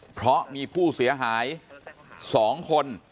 เพราะมีผู้เสียหาย๒คน